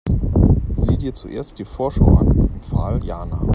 Sieh dir zuerst die Vorschau an, empfahl Jana.